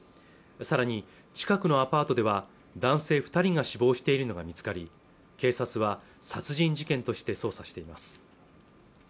さらに近くのアパートでは男性二人が死亡しているのが見つかり警察は殺人事件として捜査しています